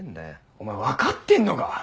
お前分かってんのか？